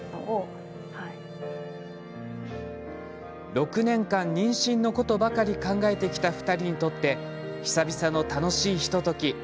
６年間、妊娠のことばかり考えてきた２人にとって久々の楽しいひととき。